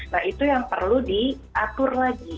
nah itu yang perlu diatur lagi